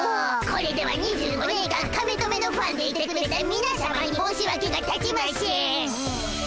これでは２５年間カメトメのファンでいてくれたみなさまに申しわけがたちましぇん！